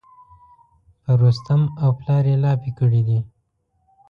په رستم او پلار یې لاپې کړي دي.